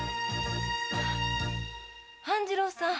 半次郎さん。